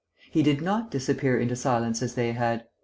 He did not disappear into silence as they had.